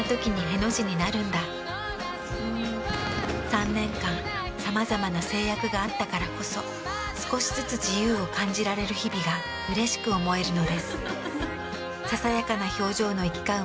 ３年間さまざまな制約があったからこそ少しずつ自由を感じられる日々がうれしく思えるのです。